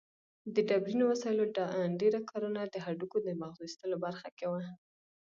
د ډبرینو وسایلو ډېره کارونه د هډوکو د مغزو ایستلو برخه کې وه.